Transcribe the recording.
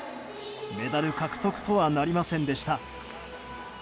メダル獲得とはなりませんでした。